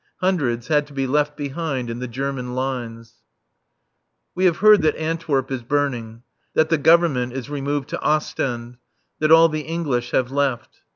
Hundreds had to be left behind in the German lines. We have heard that Antwerp is burning; that the Government is removed to Ostend; that all the English have left.